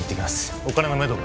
お金のめどが？